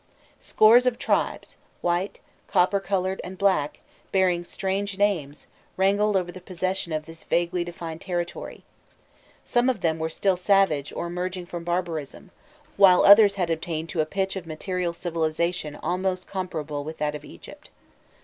Scores of tribes, white, copper coloured, and black, bearing strange names, wrangled over the possession of this vaguely defined territory; some of them were still savage or emerging from barbarism, while others had attained to a pitch of material civilization almost comparable with that of Egypt.